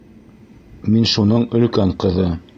Мин шуның өлкән ҡыҙы.